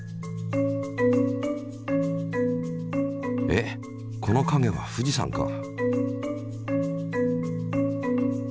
えっこの影は富士山か。